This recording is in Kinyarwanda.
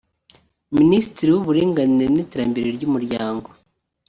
Minisitiri w’Uburinganire n’iterambere ry’Umuryango